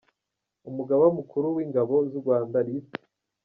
Umugaba Mukuru w’Ingabo z’u Rwanda, Lit.